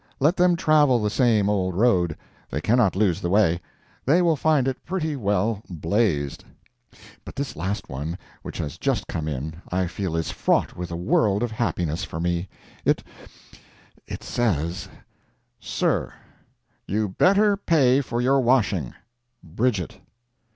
Let them travel the same old road. They cannot lose the way. They will find it pretty well "blazed." But this last one, which has just come in, I feel is fraught with a world of happiness for me. It—it says: "SIR: You better pay for your washing. BRIDGET."